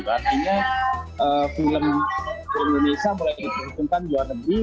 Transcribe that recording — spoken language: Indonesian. artinya film indonesia boleh dikumpulkan di luar negeri